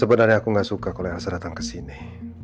sebenarnya aku gak suka kalau elsa datang kesini